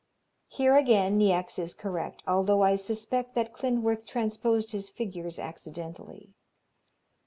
Here again Niecks is correct, although I suspect that Klindworth transposed his figures accidentally.